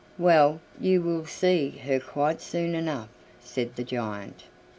"Well, you will see her quite soon enough," said the giant.